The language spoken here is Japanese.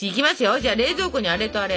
じゃあ冷蔵庫にあれとあれ。